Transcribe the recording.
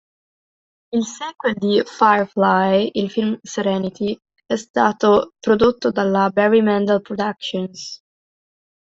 Il sequel di "Firefly", il film "Serenity", è stato prodotto dalla Barry Mendel Productions.